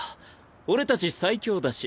俺たち最強だし。